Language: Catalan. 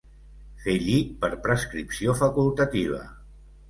Fer llit per prescripció facultativa.